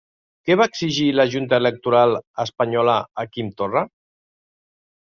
Què va exigir la Junta Electoral espanyola a Quim Torra?